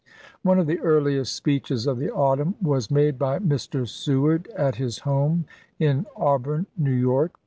One of the earliest speeches of the autumn was made by Mr. Seward at his home in Auburn, New York.